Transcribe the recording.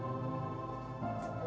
siapa pak kek